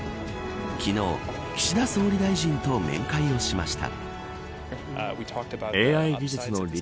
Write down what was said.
昨日、岸田総理大臣と面会をしました。